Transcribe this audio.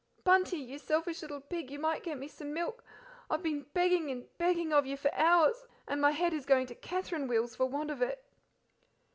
Bunty, you selfish little pig, you might get me some milk! I've been begging and begging of you for hours, and my head is going to Catherine wheels for want of it."